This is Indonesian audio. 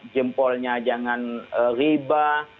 jempolnya jangan riba